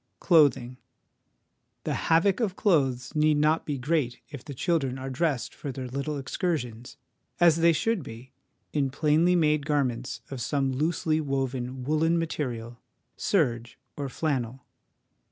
Clothing. The havoc of clothes need not be great if the children are dressed for their little excursions, as they should be, in plainly made garments of some loosely woven woollen material, serge or flannel.